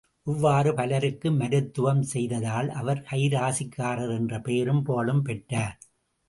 இவ்வாறு பலருக்கு மருத்துவம் செய்ததால் அவர் கைராசிக்காரர் என்ற பெயரும், புகழும் பெற்றார்.